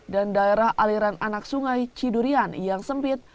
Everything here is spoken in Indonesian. dan daerah aliran anak sungai cidurian yang sempit